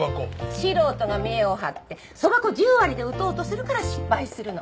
素人が見えを張ってそば粉１０割で打とうとするから失敗するの。